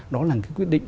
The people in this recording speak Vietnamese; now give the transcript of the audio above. đó là cái quyết định